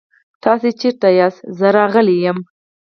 تاسې چيرته ياست؟ زه راغلی يم.